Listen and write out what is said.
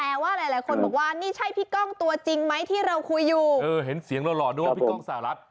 เออเห็นเสียงหล่อดูว่าพี่กล้องสาหรับ